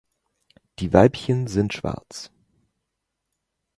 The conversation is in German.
Die Weibchen sind schwarz.